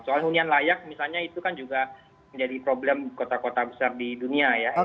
soal hunian layak misalnya itu kan juga menjadi problem kota kota besar di dunia ya